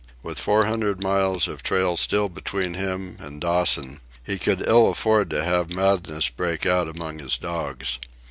With four hundred miles of trail still between him and Dawson, he could ill afford to have madness break out among his dogs.